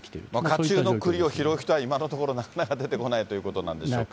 火中のくりを拾う人は今のところなかなか出てこないということなんでしょうね。